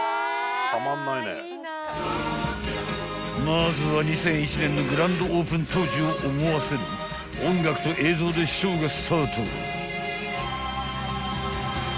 ［まずは２００１年のグランドオープン当時を思わせる音楽と映像でショーがスタート］